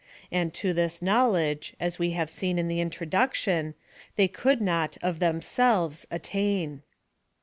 And to this knowledgCj as we have seen in the introduction, they cou.d not, of themselves, attain.